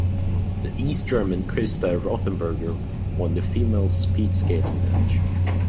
The East German Christa Rothenburger won the female speed skating match.